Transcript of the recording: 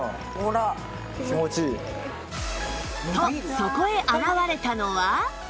とそこへ現れたのは